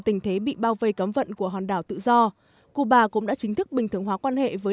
tình thế bị bao vây cấm vận của hòn đảo tự do cuba cũng đã chính thức bình thường hóa quan hệ với